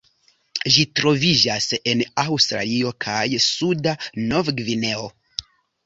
Ĝi troviĝas en Aŭstralio kaj suda Novgvineo.